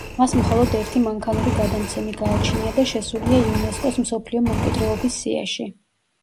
მას მხოლოდ ერთი მანქანური გადამცემი გააჩნია და შესულია იუნესკოს მსოფლიო მემკვიდრეობის სიაში.